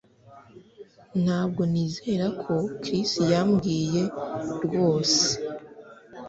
Ntabwo nizera ko Chris yambwiye rwose